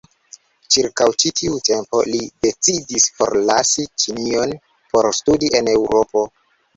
Ĉirkaŭ ĉi tiu tempo li decidis forlasi Ĉinion por studi en Eŭropo.